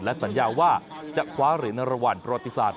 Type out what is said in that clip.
และสัญญาว่าจะคว้าเหรียญรางวัลประวัติศาสต